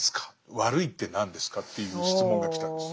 悪いって何ですか？」という質問が来たんです。